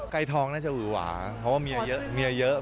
กายทองน่าจะอุ๋หวาเพราะว่าเมียเยอะ